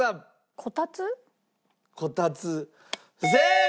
こたつ正解！